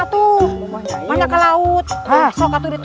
pulang ke laut